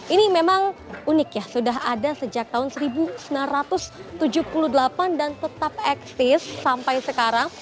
ini memang unik ya sudah ada sejak tahun seribu sembilan ratus tujuh puluh delapan dan tetap eksis sampai sekarang